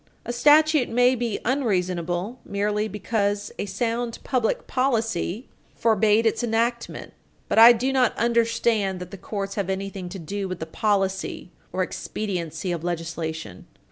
A statute may be unreasonable merely because a sound public policy forbade its enactment. But I do not understand that the courts have anything to do with the policy or expediency of legislation.